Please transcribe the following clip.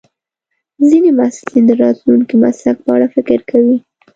ځینې محصلین د راتلونکي مسلک په اړه فکر کوي.